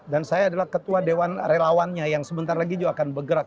dan saya adalah ketua dewan relawannya yang sebentar lagi juga akan bergerak